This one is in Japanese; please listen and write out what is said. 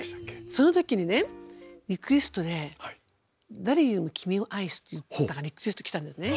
そのときにねリクエストで「誰よりも君を愛す」っていう歌がリクエスト来たんですね。